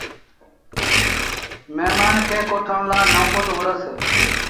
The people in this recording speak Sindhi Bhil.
مهممآݩ کي ڪوٺڻ لآ نئون ڪوٽ وُهڙس۔